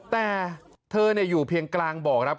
แต่เธออยู่เพียงกลางบ่อครับ